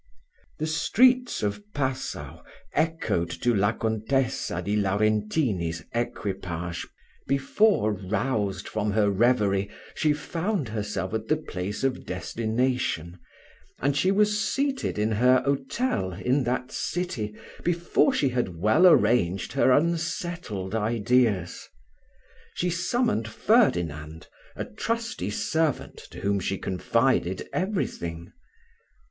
The streets of Passau echoed to La Contessa di Laurentini's equipage, before, roused from her reverie, she found herself at the place of destination; and she was seated in her hotel in that city, before she had well arranged her unsettled ideas. She summoned Ferdinand, a trusty servant, to whom she confided every thing.